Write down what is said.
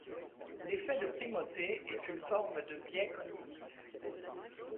L'effet de primauté est une forme de biais cognitif.